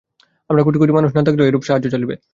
আমরা কোটি কোটি মানুষ না থাকিলেও এইরূপ সাহায্য চলিবে।